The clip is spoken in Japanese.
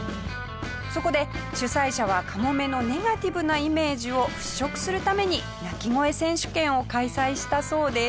そこで主催者はカモメのネガティブなイメージを払拭するために鳴き声選手権を開催したそうです。